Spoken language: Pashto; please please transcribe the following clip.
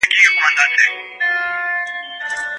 هره ورځ نارې وهي